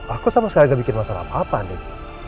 aku sama sekali gak bikin masalah apa apa nih